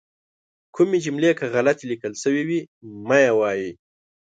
کومې جملې که غلطې لیکل شوي وي مه یې وایئ.